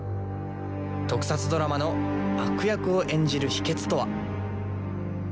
特撮ドラマの悪役を演じる秘けつとは。